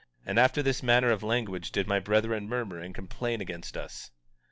And after this manner of language did my brethren murmur and complain against us.